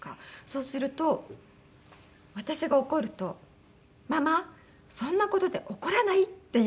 そうすると私が怒ると「ママそんな事で怒らない！」って言うんですよ。